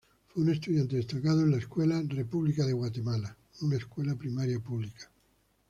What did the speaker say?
Fue un estudiante destacado de la Escuela República de Guatemala, una escuela primaria pública.